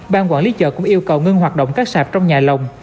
ban quản lý chợ cũng yêu cầu ngưng hoạt động các sạp trong nhà lồng